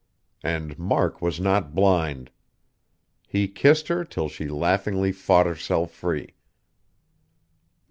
And Mark was not blind. He kissed her till she laughingly fought herself free.